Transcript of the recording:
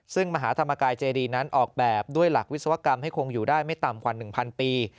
ซึ่งมหาธรรมกายเจดีนั้นออกแบบด้วยหลักวิศวกรรมให้คงอยู่ได้ไม่ต่ำกว่า๑๐๐ปี